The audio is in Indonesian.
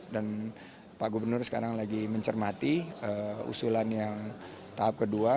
dan pak gubernur sekarang lagi mencermati usulan yang tahap kedua